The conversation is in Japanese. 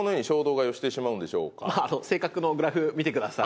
なぜ性格のグラフ見てください